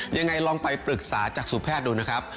ยังไงลองไปปรึกษาจากสู่แพทย์ดูนะครับ